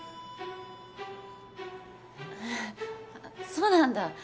へえそうなんだ。